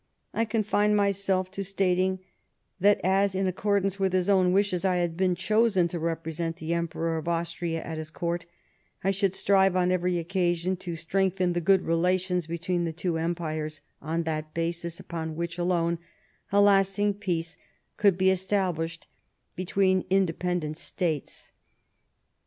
I confined myself to stating that as, in accordance with his own wishes, I had been chosen to represent the Emperor of Austria at his Court, I should strive on every occasion to strengthen the good relations between the two empires on that basis upon which alone a lasting peace could be established between hidependent states.